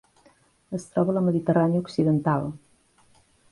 Es troba a la Mediterrània occidental.